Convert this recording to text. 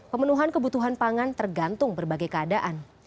pemenuhan kebutuhan pangan tergantung berbagai keadaan